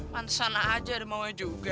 pantesan aja ada maunya juga